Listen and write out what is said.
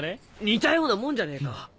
似たようなもんじゃねえか！